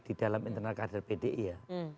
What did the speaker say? di dalam internal kader pdi ya